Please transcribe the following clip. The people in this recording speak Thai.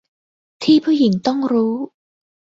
ที่ผู้หญิงต้องรู้